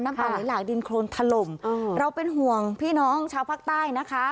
ปลาไหลหลากดินโครนถล่มเราเป็นห่วงพี่น้องชาวภาคใต้นะคะ